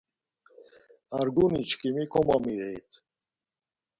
Arguniçkimi komomiğit.